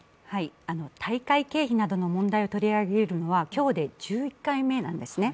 大会経費などの問題を取り上げるのは今日で１１回目なんですね。